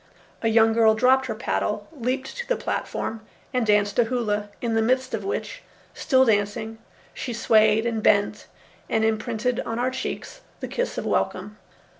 A young girl dropped her paddle, leaped to the platform, and danced a hula, in the midst of which, still dancing, she swayed and bent, and imprinted on our cheeks the kiss of welcome.